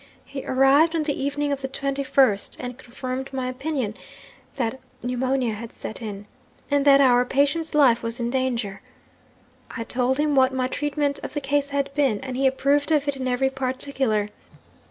He arrived on the evening of the 21st, and confirmed my opinion that pneumonia had set in, and that our patient's life was in danger. I told him what my treatment of the case had been, and he approved of it in every particular.